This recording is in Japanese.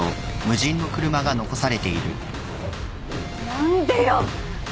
何でよ！